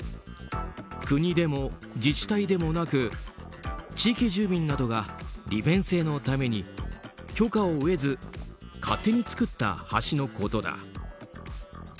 国でも自治体でもなく地域住民などが利便性のために許可を得ず勝手に造った橋のことだ。